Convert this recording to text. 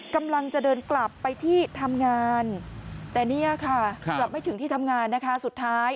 กำลังจะเดินกลับไปที่ทำงานแต่เนี่ยค่ะกลับไม่ถึงที่ทำงานนะคะสุดท้าย